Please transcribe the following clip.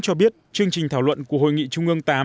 cho biết chương trình thảo luận của hội nghị trung ương viii